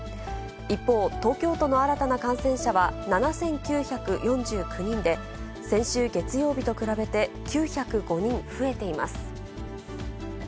一方、東京都の新たな感染者は７９４９人で、先週月曜日と比べて９０５人増えています。